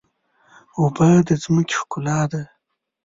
اوبه د ځمکې ښکلا ده.